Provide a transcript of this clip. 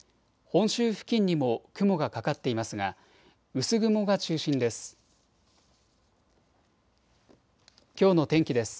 本州付近にも雲がかかっていますが薄雲が中心です。